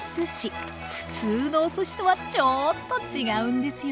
普通のおすしとはちょっと違うんですよ。